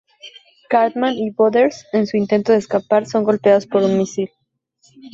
Cartman y Butters en su intento de escapar, son golpeados por un misil.